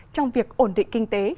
trong việc ổn định kinh tế